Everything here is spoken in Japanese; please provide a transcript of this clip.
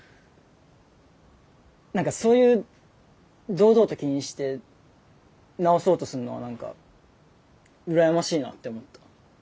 何かそういう堂々と気にして直そうとするのは何か羨ましいなって思った。